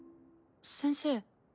先生。